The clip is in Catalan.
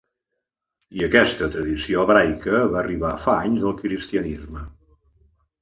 I aquesta tradició hebraica va arribar fa anys al cristianisme.